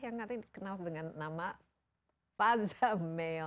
yang nanti dikenal dengan nama faaza ibnu ubaidillah